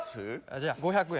じゃあ５００円。